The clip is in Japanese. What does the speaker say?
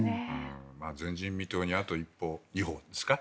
前人未到にあと１歩２歩ですか。